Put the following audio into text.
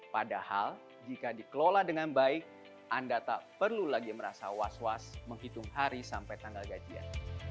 padahal jika dikelola dengan baik anda tak perlu lagi merasa was was menghitung hari sampai tanggal gajian